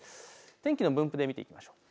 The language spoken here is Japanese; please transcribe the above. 天気の分布で見ていきましょう。